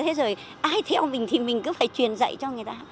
thế rồi ai theo mình thì mình cứ phải truyền dạy cho người ta